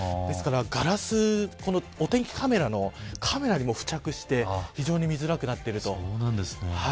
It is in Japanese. ですから、ガラスお天気カメラのカメラにも付着して非常に見づらくなっています。